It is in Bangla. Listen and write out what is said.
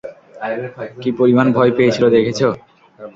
কী পরিমাণ ভয় পেয়েছিল দেখেছ?